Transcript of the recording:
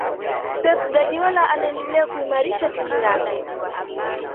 pep guardiola anaendelea kuimarisha timu yake